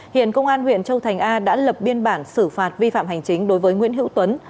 hiện công an huyện châu thành a đã lập biên bản xử phạt vi phạm hành chính đối với nguyễn hữu tuấn